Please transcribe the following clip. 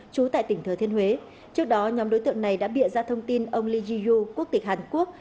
chú tại tỉnh thờ thiên huế trước đó nhóm đối tượng này đã bịa ra thông tin ông lee ji yu quốc tịch hàn quốc